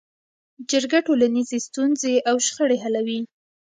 جرګه ټولنیزې ستونزې او شخړې حلوي